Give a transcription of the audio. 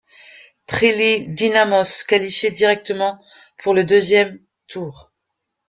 Tralee Dynamos qualifié directement pour le deuxième tour.